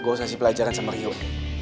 gue usah si pelajaran sama riud